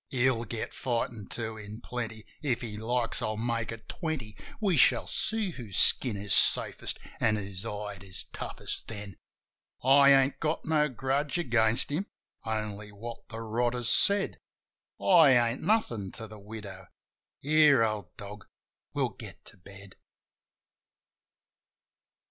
He'll get fightin', too, in plenty. If he likes I'll make it twenty ! We shall see whose skin is safest an' whose hide is toughest then. I ain't got no grudge against him — only what the rotter's said. I ain't nothin' to the widow! ... Here, old dog, we'll get to bed.